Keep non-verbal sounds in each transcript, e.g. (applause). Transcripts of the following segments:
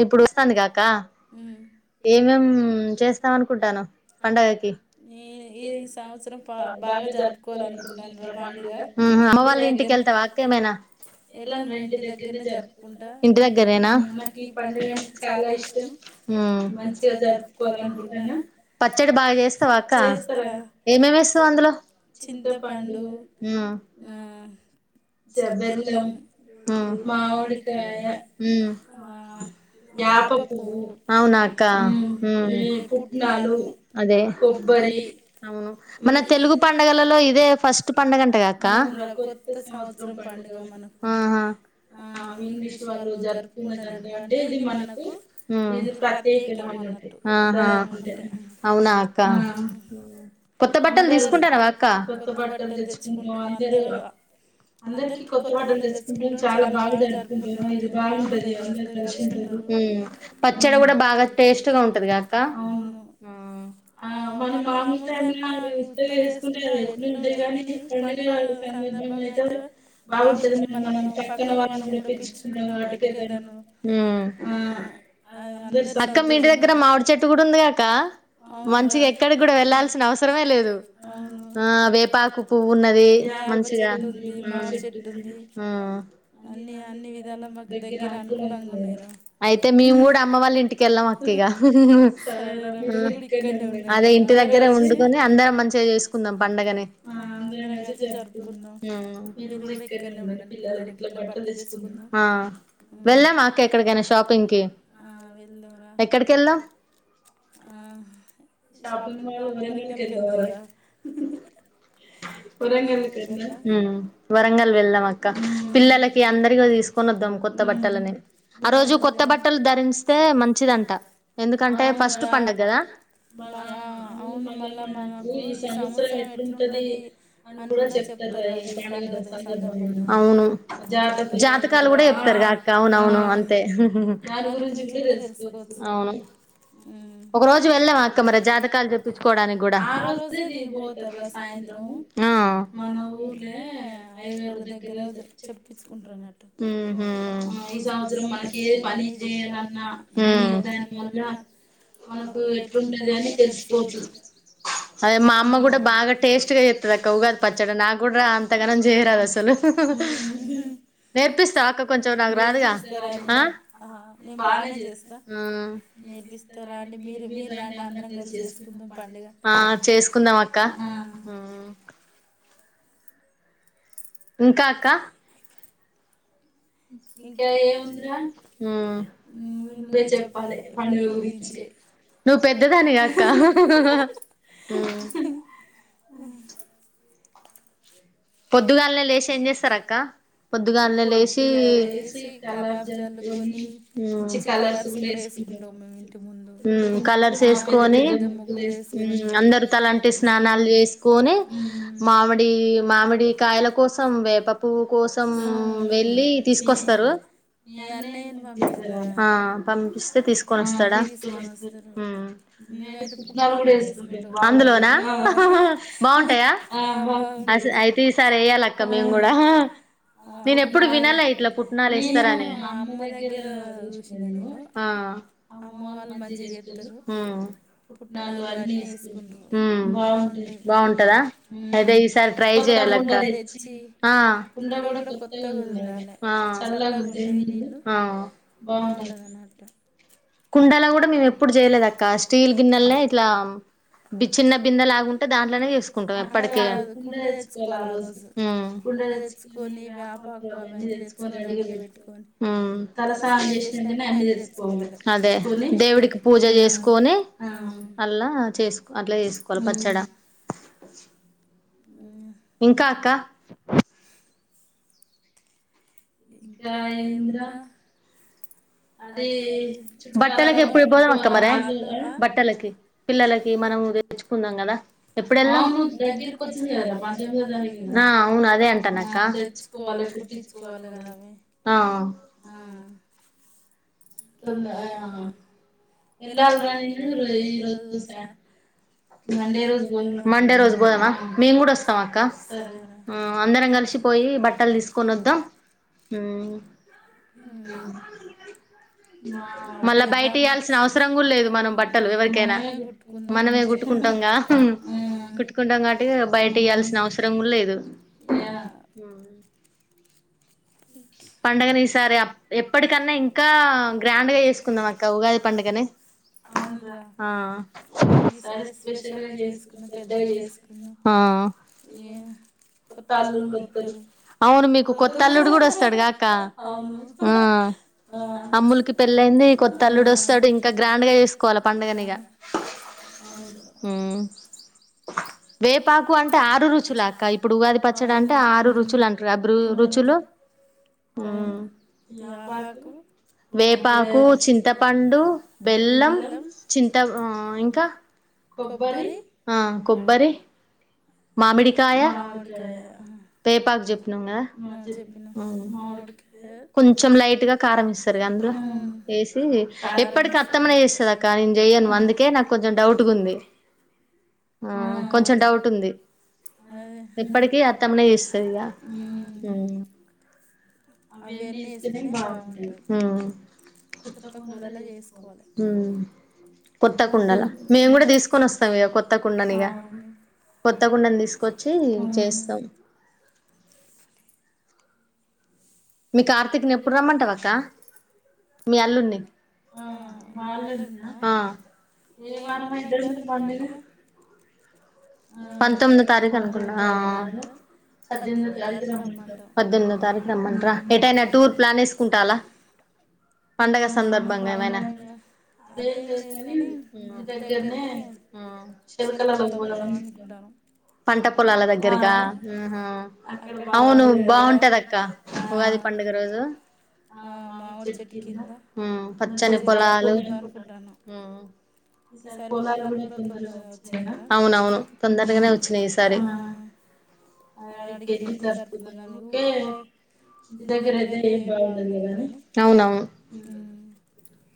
ఇప్పుడు చూసాను కాక ఏమేం చేస్తాం అనుకుంటాను అంట బ వాళ్ళ ఇంటికెళ్తావా అక్కేమనా ఇంటి దగ్గరేనా ఈ పడుగ చాలా ఇష్టం మంచిగా జరుపుకోవాలనుకుంటున్నా పచ్చడి బాగా చేస్తావా అక్క ఏమేమి వేస్తావు అందులో చింతపడు శబలం మావడికాయ అవునాదే అవును మన తెలుగు పండుగలలో ఇదే ఫస్ట్ పడుగ అంటేగాక జ దండి అంటే ఇది మనకు ఇది ప్రత్యేక అ ఉ రా అవునా అక్క కొత్త బట్టలు తీసుకుంటారవా అక్క కొత్త బట్టలు తెచ్చుకుంటా అందరిక కొత్త మాటలు తెచ్చసుకుంటేను చాలా బాగా జడుపుతుంటాను ఇది బాగుంటది పచ్చడి కూడా బాగా టేస్ట్గా ఉంటది కాక ఆ మనం మామూలు టై ఉత్గా వేసుకుంటే ఎట్లు ఉంటేయి కాని పండుగ అయితే బాగుంటది మన మనంక్కన వాళ్ని కూడా పెంచుకున్నాం వాటిక అక్క మీంటి దగ్గర మామిడి చెట్టు కూడా ఉందిగాక మంచిగా ఎక్కడికి కూడా వెళ్ళల్సిన అవసరమే లేదు ఆ వేపాకు పువ్వు ఉన్నది మంచి అయితే మేము కూడా అమ్మ వాళ్ళ ఇంటికెళ్ళాం అక్కగా అదే ఇంటి దగ్గరే వండుకొని అందరం మంచిగా చేసుకుందాం పండగని మీరు కూడా ఇక్కడనే ఉండాలి పిల్లలకి ఇట్లా బట్టలు తెచ్చుకుందా వెదాక్కా షాపిింగ్ మాళ ఊరంగాక ఎందు పోల ఉరంగకి వరంగల్ వెళ్దాం అక్క పిల్లలకి అందరికి తీసుకుొ వద్దాం కొ కొత్త బట్టలని ఆ రోజు కొత్త బట్టలు ధరిస్తే మంచిదంట ఎందుకంటే ఫస్ట్ పండుగ కదా అవును మళ్ళా అన్నట్టు ఈ సంవత్సరం ఎట్లుంటది అని కూడా చెప్ అవును జాతకాలు కూడా చెస్తారుగా అక అవునవును అంతే అవును ఒక రోజు వెళ్ళాం అక్క మరి జాతకాలు చప్పించుకోవడానికి కూడా ఆ మన ఊర్లే అయ్యగారు దగ్గర చెప్పించుకుంటారున్నమాట ఈ సంవత్సరం మనకి ఏ పని చేయాలన్నా దాని దానివల్ల మనకు ఎట్లుండది అని తెలిసుపోచ్చ అదే మా అమ్మ కూడా బాగా టేస్ట్గా ఇతద అక్క ఉ ప నాకు కూడా రా అంతగానం చేయరాదు అసలు నేర్పిస్తా అక్కకొ చొ నాకు రాదుగాఆ ఉమ్ ఆ చేసుకుందాం అక్క ఇంకా అక్క ఇంకా ఏముందిరా ఉమ్ నువ్వే చెప్పాలి పండగ గురించి నువ్వు పెద్దదానిగాక్క ఆ పొద్దుగాలనే లేసి ఏం చేస్తారు అక్క పొద్దుగా లనే లేసీ కల్లాప్ జల్లుకొని మంచి కలర్స్ కూడా వేసుకు ఉమ్ కలర్స్ వేసుకొని అందరు తలాంటి స్నాన మ్ నాల్ చేసుకొని మామిడి మామిడ్ డి కాయల కోసం వేప పువ్వు కోసం వెళ్ళి తీసుకొస్తారు ఆ పంపిస్తే తీసుకొని వస్తాడా ఉమ్ పట్నాలు కూడా వేసుకుంటాము అందులోనా బాగుంటాయా ఆ బాగుంటాయ్ అయితే ఈసారి వేయ్యాల అక్క మేము కూడా నేను ఎప్పుడు వినాలా ఇట్లా పుట్నాలు వేస్తారని అమ్మవాళ్ళు మంచిగా చేస్తారు పట్నాలు అన్నీ వేసుకొని బా బాగుంటది బాగుంటద అయితే ఈసారి ట్రై కొత్త కుండ తెచ్చి కుండ కూడా కొత్తగా ఉండాలి చల్లగా ఉంటాయ్ నీళ్ళు లు బాగుంటది అన్నట కుండాల కూడా మేము ఎప్పుడు చేయలేదు అక్క స్టీల్ గిన్నెలనే ఇట్లా బి చిన్న బిందె లాగుంటే దాంట్లోనే చేసుకుంటాం ఎప్పటికిగ అట్లకాదు కుండ తెచ్చుకోవాల ఆ రోజు కుండ తెచ్చుకుని వేపా అవన్ని తెచ్చుకొని రెడీ గ పెట్టుకుని తలస్నానం జేసినంకనే అన్ని తెచ్చుకోవాల అదే దేవుడికి పూజ చేసుకొని అల్లా చేసుకో అట్లా చేసుకో పచ్చడ ఇంకా అక్క గాయంగా అదే బట్టలకి ఎప్పుడు పోదాం అక్క మర బట్టలకి పిల్లలకి మనం తెపిచ్చుకుందాం కదా ఎప్పుడె అవును అదే అంటాను తెచ్చుకోవాలే కుట్టించుకోవాలే ఆ తుంద ఎంగలరయుణ్ణి ఈరోజు చూసా మండే రోజు మండే రోజు పోదామా మేము కూడా వస్తాం అక్క అందరం కలిసి పోయి బట్టలు తీసుకొ ని వద్దాం మా పెద్దమ్మ మనమే కుట్టుకుందాం మంచి ఆ ఆ యా ఉమ్ పండుగని ఈసారి ఎప్పటికన్నా ఇంకా గ్రాండ్ గా చేసుకుందాం అక్క ఉగాది పండుగని అవన్ర ఈ సారి స్పెషల్గా చేసుకుందామ్ పెద్దగ చేసుకుందాం ఏమ్ అవును మీకు కొత్త అల్లుడు కూడా వస్ కా ఆ అమ్ములు కి పెళ్ళయింది కొత్త అల్లుడు వస్తాడు ఇంకా గ్రాండ్ గ చేసుకోవాల పండుగనిగా ఉమ్ వేపాకు అంటే ఆరు రుచులు అక్క ఇప్పుడు ఉగాది పచ్చడి అంటే ఆరు రుచులు అంటారు అబ్రు రుచులు అవును యాపాకు వేపాకు చింతపండు బెల్లం చింత వ్ ఆ ఇంకా కొబ్బరి ఆ కొబ్బరి మామిడికాయ పేపాక్ చెప్నవ్ గద మామిడి అర్థమనే చేస్తంది అక్క నేను చెయను అందుకే నాకు కొంచెం డౌట్ ఉంది ఆ కొంచెం డౌట్ ఉంది అ అవన్నీ ఇస్తనే బాగుంటాంది కోవాలి కొత్త కుండలో మేము కూడా తీసుకొని వస్తాం ఇక కొత్త కుండనిగా కొత్త గుండాను తీసుకొచ్చి చేస్తాం మీ కార్తిక్ని ఎప్పుడు రమ్మంటావా అక్క ఆ బళన్నా ఏ మనమంట మ పంతొమ్మిది తారీఖు అనుకున్నా పె తారీ పద్దెమిో తారీఖ రమ్మంటరా ఎటైనా టూర్ ప్లాన్ వేసుకుంటాలా పండగ సందర్భంగా ఏమైనా అదేం లేం కాని దగ్గరనే శల్కలలో పోదామకుంటారు పంట పొలాల దగ్గరగా అవును బాగుంటది అక్క ఉది పండుగ రోజు మా చె పచ్చని పొలాలు సార్ పోలలు ఎ గ అవున అవును తొందరగాగానే వచ్చినాయి ఈసారి అ అడిక ఎ సరకుదకే ఇంటి దగ్గర అయితే ఏం బాగుండదు కదా అని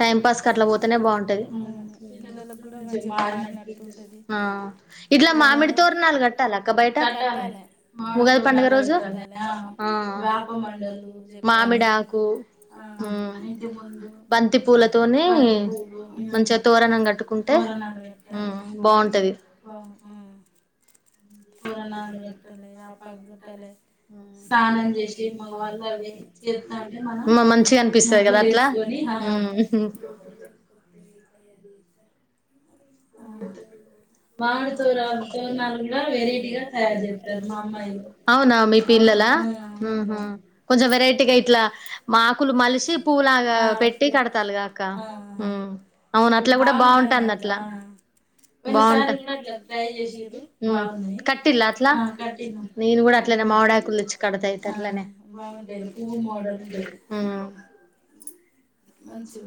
టైం పాస్ కట్టల పోతేనే బాగుంటది మంచి మ ఇట్లా మామిడి తోరణాలు కట్టాలి అక్క బయట ఉగాది పండుగ రోజు మామిడాకు త మ బంతి పూలతోని మంచిగా తోరణం కట్టుకుంటే బాగుంటది ఆఓ పురాణాలు పెట్టాలపలు పెట్టాల స్నానం చేసి మగవారు కవి మంచిగా అనిపిస్తుంది కదా అట్లా అ మామిడి చూర తోరణాలు కూడా వెరైటీగా తయారు చేస్తారు మా అమ్మాయి అవునా పిల్ల కొంచె వెరైటీగా ఇట్లాకులు మలిసి పూలా పె పెట్టి కడతిగాక అవును అట్లా కూడా బాగుంటాంది అట్లా బాగుంట కట్టిలా అట్లా నను కూడా అట్ల మడాకులుచ్చ కడతాతలనే మంచి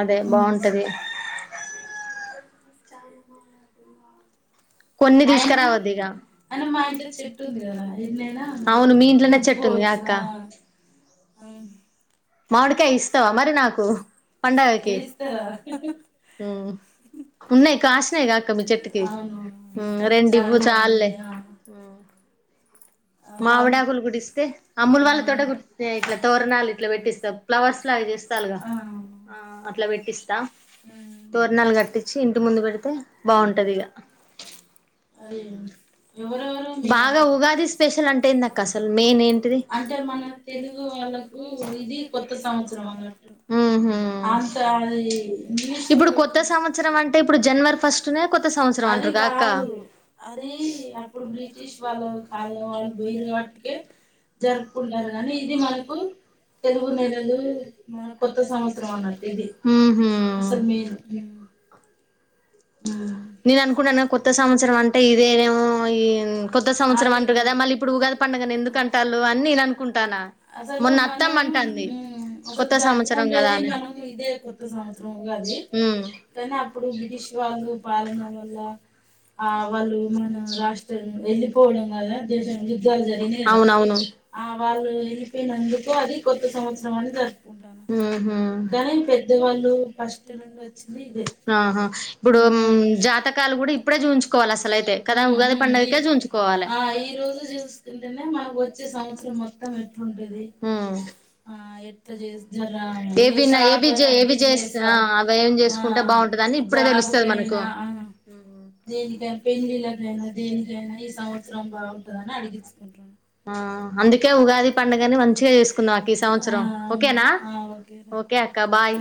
అదే బాగుంటది చాలన మ కొన్ని దిసుక రావద్దు ఇక మా చెదా అవును మీ ఇంట్లోనే చెట్టుంది అక్క అవు మామిడికాయ ఇస్తావా మరి నాకు పడుగకి ఆ ఉన్నాయి్ కాసినయి కాక మీ చెట్టుకి రెండి ఇవ్వు చాలే ఆ మావిడాకులు గుడిస్తే అమ్ములు వాళ్ళ తోట కుడిస్త ఇట్లా తోరణాలు ఇట్లా పెట్టిస్తా ఫ్లవర్స్ స్త అట్లా పెట్టిస్తా తోరణాలు కట్టించి ఇంటి ముందు పెడితే బాగుంటది ఇగ బాగా ఉగాది అంటే ఏంది అక్క అసలు మెయిన్ ఏంటిది ఇప్పుడు కొత్త సంవత్సరం అంటే ఇప్పుడు జనవరి ఫ ఫస్ట్ నీ కొత్త సంవత్సరం అంటారు కా అక్క వాళ్ళు వేరు వాటికే జరుపుకుంటారు కానీ ఇది మనకు తెదుగు నెలలు మన కొత్త సంవత్సరం అన్నట్టు ఇది అసలు మెయిన్ ఆ నేను అనుకున్నాను కొత్త సంవత్సరం అంటే ఇదేనేమో ఈ కొత్త సంవత్సరం అంట కదా మళ్ళీ ఇప్పుడు ఉగాది పండగాని ఎందుకు అంటారు అని నేను అనుకుంటానా మొన్న అత్తామంటాంది కొత్త సంవత్సరం కద ఇదే కొత్త సంవత్సరం ఉగాది కానీ అప్పుడు బ్రిటీష్ వాళ్ళు పాలనలో ఆ వాళ్ళు మనం రాష్ట్రం వెళ్ళిపోవడం వదా (inaudible) యుద్ధాలు జరిగినాయి ఆ వాళ్ళు వెళ్ళిపోయినందుకు అది కొత్త సంవత్సర అనే జరు ఆ కానీ పెద్దవాళ్ళు ఫస్ట్ వచ్చింది ఆహా ఇప్పుడు జాతకాలు కూడా ఇప్పుడే చూంచుకోవాలి అసలైతే కదా ఉగాది పండుగకే చూంచుకోవాలి చూపించుకుంటాని మన వచ్చే సంవత్సరం మొత్తం ఎట్లుంటది చేస్త అవి ఏమి చేసుకుంటే బాగుంటంది అని ఇప్పుడే తెలుస్తా (inaudible) మనకు అడిగించుకుంటారు (inaudible) ఆ అందుకే ఉగాది పండుగని మంచిగా చేసుకున్నాం ఈ సంవత్సరం ఓకేనా ఓకే అక్క బాయ్